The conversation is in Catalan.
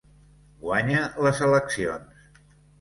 Guanya les eleccions.